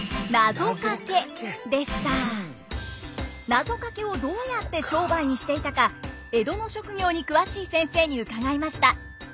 なぞかけをどうやって商売にしていたか江戸の職業に詳しい先生に伺いました。